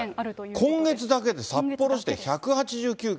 今月だけで札幌市で１８９件。